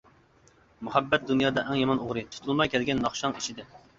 مۇھەببەت دۇنيادا ئەڭ يامان ئوغرى، تۇتۇلماي كەلگەن ناخشاڭ ئىچىدە.